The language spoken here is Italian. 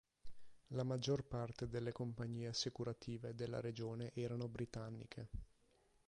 La maggior parte delle compagnie assicurative della regione erano britanniche.